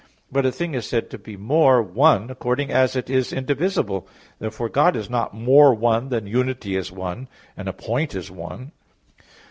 But a thing is said to be more "one" according as it is indivisible. Therefore God is not more one than unity is one and a point is _one.